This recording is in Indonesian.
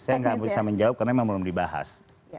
saya nggak bisa menjawab karena memang belum dibahas